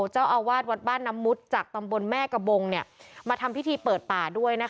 เจ้าอาวาสวัดบ้านน้ำมุดจากตำบลแม่กระบงมาทำพิธีเปิดป่าด้วยนะคะ